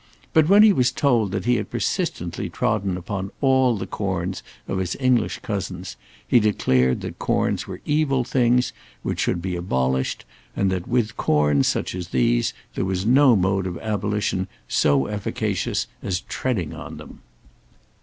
But when he was told that he had persistently trodden upon all the corns of his English cousins, he declared that corns were evil things which should be abolished, and that with corns such as these there was no mode of abolition so efficacious as treading on them.